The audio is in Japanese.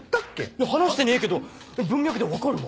いや話してねえけど文脈で分かるわ。